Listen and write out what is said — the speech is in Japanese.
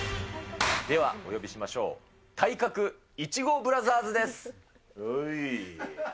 ではお呼びしましょう、体格いちごブラザーズです。